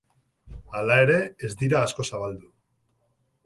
Hala ere, ez dira asko zabaldu.